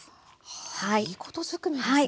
はあいいことずくめですね。